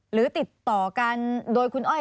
หรือติดต่อกันโดยคุณอ้อย